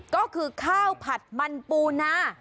ก็คือข้าวผัดมันปูนา